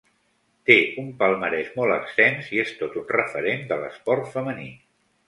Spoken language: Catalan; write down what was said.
Té un palmarès molt extens i és tot un referent de l’esport femení.